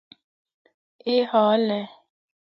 اے حال اے۔